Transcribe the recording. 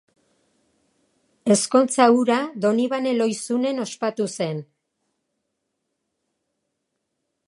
Ezkontza hura Donibane Lohizunen ospatu zen.